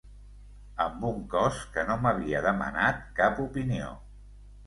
Amb un cos que no m’havia demanat cap opinió.